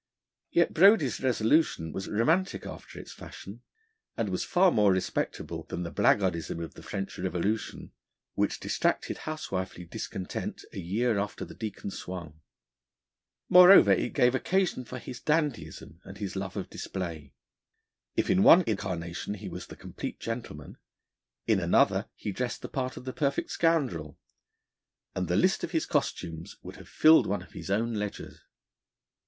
Yet Brodie's resolution was romantic after its fashion, and was far more respectable than the blackguardism of the French Revolution, which distracted housewifely discontent a year after the Deacon swung. Moreover, it gave occasion for his dandyism and his love of display. If in one incarnation he was the complete gentleman, in another he dressed the part of the perfect scoundrel, and the list of his costumes would have filled one of his own ledgers.